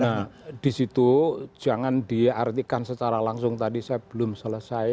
nah di situ jangan diartikan secara langsung tadi saya belum selesai